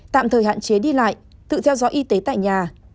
tạm thời hạn chế đi lại tự theo dõi y tế tại nhà